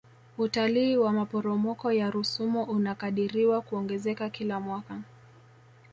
utalii wa maporomoko ya rusumo unakadiriwa kuongezeka kila mwaka